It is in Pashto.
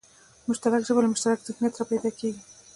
مشترکه ژبه له مشترک ذهنیت راپیدا کېږي